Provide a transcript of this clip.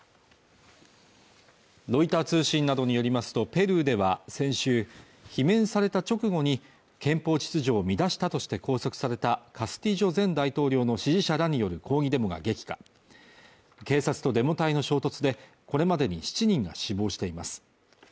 ロイター通信などによりますとペルーでは先週罷免された直後に憲法秩序を乱したとして拘束されたカスティジョ前大統領の支持者らによる抗議デモが激化警察とデモ隊の衝突でこれまでに７人が死亡しています